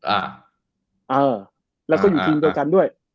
อ่าเออแล้วก็อยู่ทีมเดียวกันด้วย